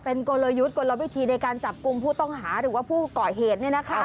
เป็นกลยุทธ์กลวิธีในการจับกลุ่มผู้ต้องหาหรือว่าผู้ก่อเหตุ